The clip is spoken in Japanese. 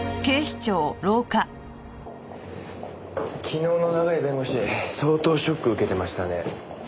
昨日の永井弁護士相当ショック受けてましたね。